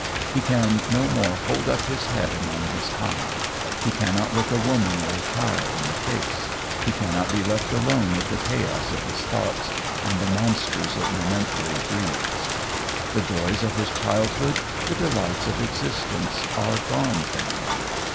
He can no more hold up his head among his kind; he cannot look a woman or a child in the face; he cannot be left alone with the chaos of his thoughts, and the monsters it momently breeds. The joys of his childhood, the delights of existence, are gone from him.